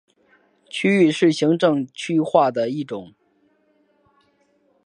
区域是行政区划的一种。